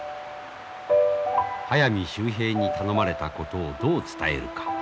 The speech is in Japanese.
速水秀平に頼まれたことをどう伝えるか。